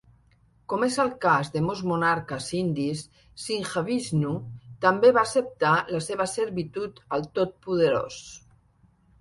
Com és el cas de molts monarques indis, Simhavishnu també va acceptar la seva servitud al Tot Poderós.